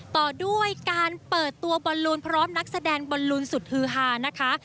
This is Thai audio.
ต่อด้วยการเปิดตัวบอลลูนพร้อมนักแสดงบอลลูนสุดฮือฮานะคะ